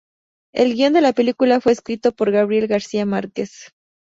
El guión de la película fue escrito por Gabriel García Márquez.